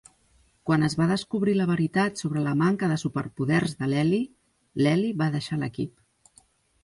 Quan es va descobrir la veritat sobre la manca de superpoders de l'Eli, l'Eli va deixar l'equip.